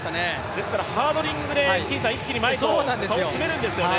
ですからハードリングで一気に前へと差を詰めるんですよね。